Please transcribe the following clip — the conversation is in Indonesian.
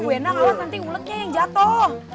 aduh bu endang awas nanti ulegnya yang jatuh